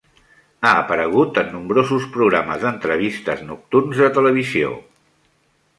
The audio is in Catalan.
Ha aparegut en nombrosos programes d'entrevistes nocturns de televisió.